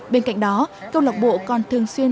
bên cạnh đó câu lạc bộ còn thường xuyên